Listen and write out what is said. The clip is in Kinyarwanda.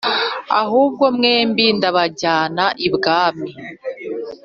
ahubwo mwembi ndabajyana ibwami"